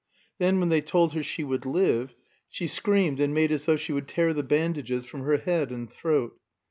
Then, when they told her she would live, she screamed and made as though she would tear the bandages from her head and throat.